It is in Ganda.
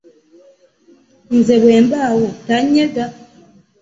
Nze bwe mbaawo tanyega.